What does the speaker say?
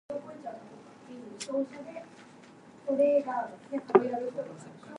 However, in the digital economy, experimentation is key.